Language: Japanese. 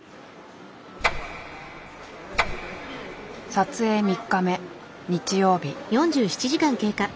撮影３日目日曜日。